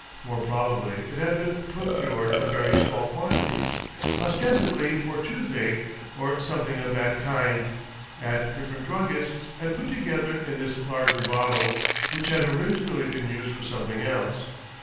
More probably it had been pro cured in very small quantities (ostensibly for CASE OF THE '' MIRIiOB OF PORTUGAL' 1.^3 toothache, or something of that kind) at different druggists, and put together in this larger bottle, which had originally been used for something else.